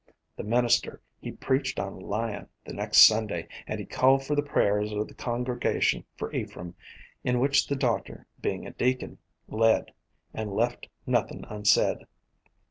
The minister, he preached on lyin' the next Sunday, and called for the prayers o' the congregation for Ephraim, in which the doctor, bein' a deacon, led, and left nothin' unsaid.